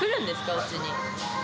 うちに。